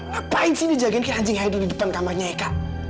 ngapain sih dia jagain kan anjing hidu di depan kamarnya ya kak